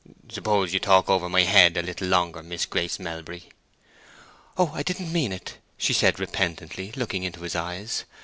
"Suppose you talk over my head a little longer, Miss Grace Melbury?" "Oh, I didn't mean it!" she said, repentantly, looking into his eyes.